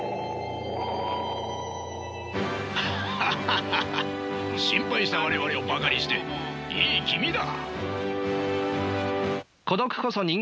ハハハハ心配した我々をバカにしていい気味だ。